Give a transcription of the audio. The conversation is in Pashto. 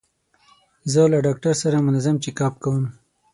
زه له ډاکټر سره منظم چیک اپ کوم.